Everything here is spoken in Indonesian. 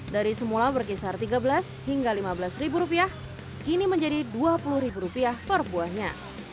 dari semula berkisar tiga belas hingga lima belas ribu rupiah kini menjadi dua puluh ribu rupiah per buahnya